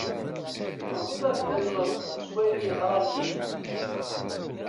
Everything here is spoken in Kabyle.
Tugiḍ ad tamneḍ s wayen yeḍran yid-m.